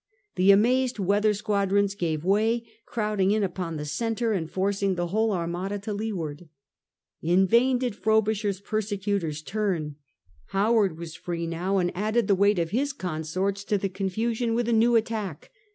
The amazed weather squadrons gave way, crowding in upon the centre, and forcing the whole Armada to leeward. In vain did Frobisher^s persecutors turn. Howard was free now, and added the weight of his consorts to the confusion with a new attack.